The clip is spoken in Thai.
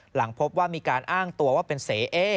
หลังพบว่ามีการอ้างตัวว่าเป็นเสเอ